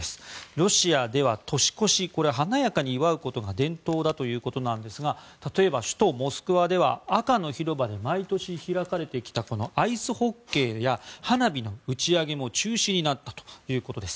ロシアでは年越し華やかに祝うことが伝統だということなんですが例えば首都モスクワでは赤の広場で毎年開かれてきたこのアイスホッケーや花火の打ち上げも中止になったということです。